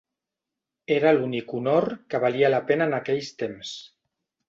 Era l'únic honor que valia la pena en aquells temps.